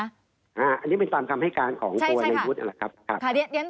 อันนี้เป็นตามคำให้การของตัวในวุฒินั่นแหละครับ